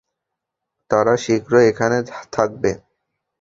তারা শীঘ্রই এখানে থাকবে।